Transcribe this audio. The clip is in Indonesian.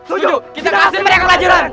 tuju kita kasih mereka lajuran